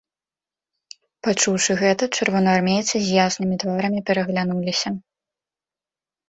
Пачуўшы гэта, чырвонаармейцы з яснымі тварамі пераглянуліся.